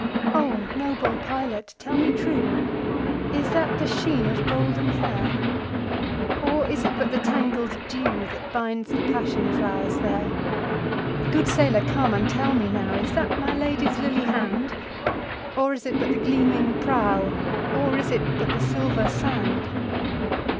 O noble pilot tell me trueIs that the sheen of golden hair? Or is it but the tangled dewThat binds the passion flowers there? Good sailor come and tell me nowIs that my Lady's lily hand? Or is it but the gleaming prow, Or is it but the silver sand?